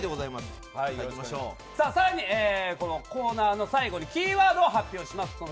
更にコーナーの最後にキーワードを発表します。